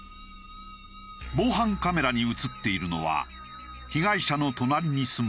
防犯カメラに映っているのは被害者の隣に住む男。